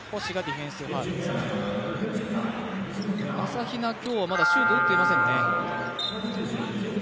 朝比奈、今日はまだシュートを打っていませんね。